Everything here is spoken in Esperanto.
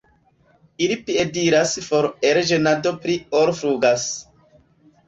Ili piediras for el ĝenado pli ol flugas.